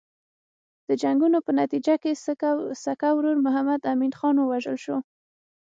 د جنګونو په نتیجه کې سکه ورور محمد امین خان ووژل شو.